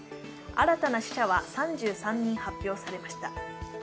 新たな死者は３３人発表されました。